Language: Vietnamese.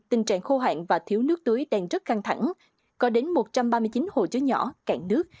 tình trạng khô hạn và thiếu nước tưới đang rất căng thẳng có đến một trăm ba mươi chín hồ chứa nhỏ cạn nước